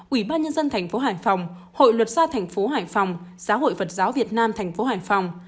ủy ban nhân dân tp hải phòng hội luật gia tp hải phòng giáo hội phật giáo việt nam tp hải phòng